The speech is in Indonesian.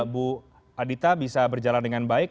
bu adita bisa berjalan dengan baik